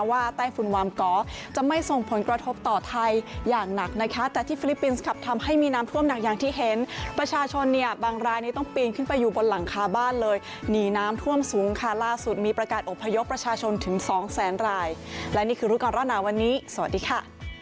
ไต้ฝุ่นวามกอจะไม่ส่งผลกระทบต่อไทยอย่างหนักนะคะแต่ที่ฟิลิปปินส์ครับทำให้มีน้ำท่วมหนักอย่างที่เห็นประชาชนเนี่ยบางรายนี้ต้องปีนขึ้นไปอยู่บนหลังคาบ้านเลยหนีน้ำท่วมสูงค่ะล่าสุดมีประกาศอบพยพประชาชนถึงสองแสนรายและนี่คือรู้ก่อนร้อนหนาวันนี้สวัสดีค่ะ